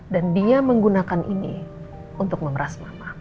dan dia menggunakan ini untuk memeras mama